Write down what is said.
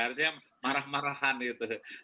artinya marah marahan gitu